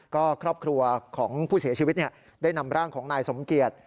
ก็ครอบครัวของผู้เสียชีวิตได้นำร่างของนายสมเกียจ